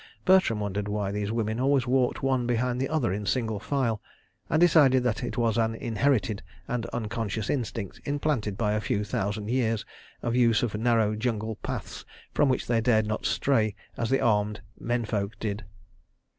Bertram wondered why these women always walked one behind the other in single file, and decided that it was an inherited and unconscious instinct implanted by a few thousand years of use of narrow jungle paths from which they dared not stray as the armed men folk did.